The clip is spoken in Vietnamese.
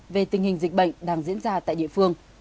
về tình hình dịch bệnh đang diễn ra tại địa phương